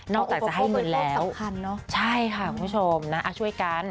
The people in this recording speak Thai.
นอกจากจะให้เงินแล้วใช่ค่ะคุณผู้ชมช่วยกัน